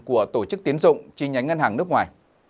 của tổ chức tiến dụng chi nhánh ngân hàng nước ngoài